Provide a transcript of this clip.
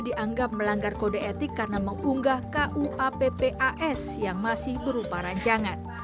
dianggap melanggar kode etik karena mengunggah kuappas yang masih berupa rancangan